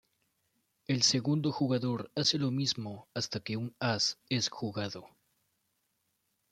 El segundo jugador hace lo mismo hasta que un as es jugado.